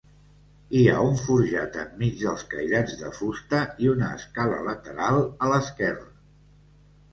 Hi ha un forjat enmig dels cairats de fusta i una escala lateral a l'esquerra.